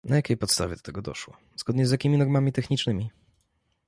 Na jakiej podstawie do tego doszło, zgodnie z jakimi normami technicznymi?